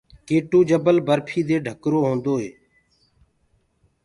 ڪي ٽو جبل برفيٚ دي ڍڪرآ هوندآ هينٚ۔